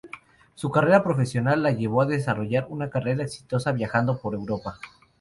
Su carrera profesional la llevó a desarrollar una carrera exitosa viajando por Europa.